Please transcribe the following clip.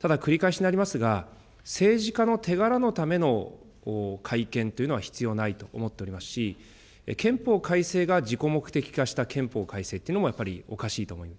ただ、繰り返しになりますが、政治家の手柄のための改憲というのは必要ないと思っておりますし、憲法改正が自己目的化した憲法改正っていうのも、やっぱりおかしいと思います。